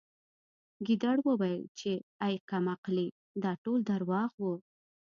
ګیدړ وویل چې اې کم عقلې دا ټول درواغ وو